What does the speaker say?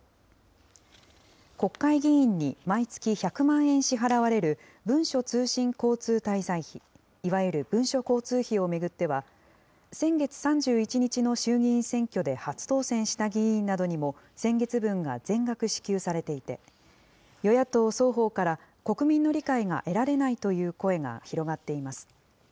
国会議員に毎月１００万円支払われる文書通信交通滞在費、いわゆる文書交通費を巡っては、先月３１日の衆議院選挙で初当選した議員などにも、先月分が全額支給されていて、与野党双方から国民の理解が得られないという声が広がっています。